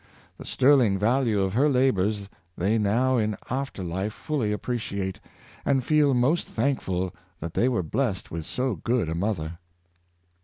The sterling value of her labors they now in after life fully appreciate, and feel most thankful that they were blessed with so good a mother."